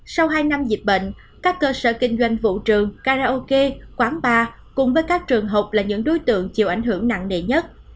sau hai năm dịch bệnh các cơ sở kinh doanh vụ trường karaoke quán bar cùng với các trường học là những đối tượng chịu ảnh hưởng nặng nề nhất